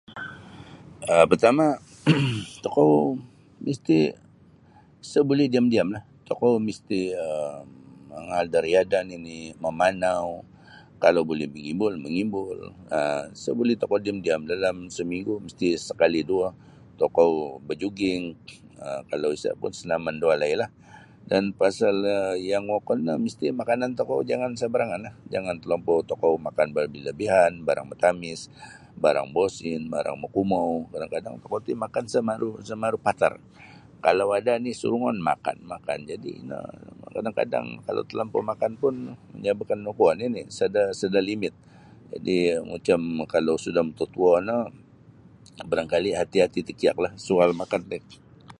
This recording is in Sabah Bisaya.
um Pertama tokou misti isa buli diam-diamlah tokou misti um mangaal da riadah nini mamanau kalau buli mangimbul mangimbul um isa buli tokou diam-diam dalam saminggu misti sakali duo tokou bajuging um kalau isa pun sanaman sa walai lah dan pasal um yang wokon no misti makanan tokou jangan sambaranganlah jangan talampau tokou makan labi-labian barang matamis barang mosin barang makumou kadang-kadang tokou ti makan isa maru isa maru patar kalau ada ni surungon makan-makan jadi ino kadang-kadang kalau talampau makan pun manyababkan kuo nini sada sada limit jadi macam kalau suda matatuo no barangkali hati-hati takiak lah soal makan ti.